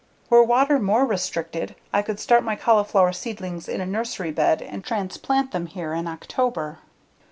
Were water more restricted I could start my cauliflower seedlings in a nursery bed and transplant them here in October.